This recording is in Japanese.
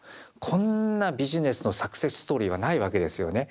こんなビジネスのサクセスストーリーはないわけですよね。